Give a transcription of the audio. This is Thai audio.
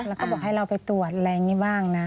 แล้วก็บอกให้เราไปตรวจอะไรอย่างนี้บ้างนะ